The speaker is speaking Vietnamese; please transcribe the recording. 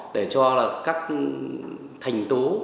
để cho các thành tố